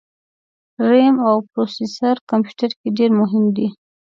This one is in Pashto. رېم او پروسیسر کمپیوټر کي ډېر مهم دي